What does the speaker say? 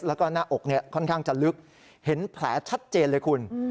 แล้วก็หน้าอกค่อนข้างจะลึกเห็นแผลชัดเจนเลยคุณ